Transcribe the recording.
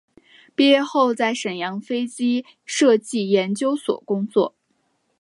毕业后在沈阳飞机设计研究所工作。